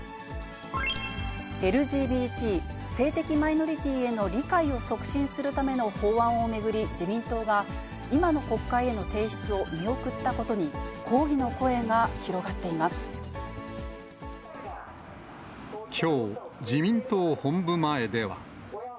ＬＧＢＴ・性的マイノリティーへの理解を促進するための法案を巡り、自民党は、今の国会への提出を見送ったことに、抗議の声が広がっきょう、自民党本部前では。